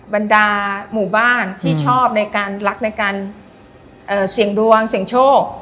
บรรดาหมู่บ้านที่ชอบในการรักในการเสี่ยงดวงเสี่ยงโชค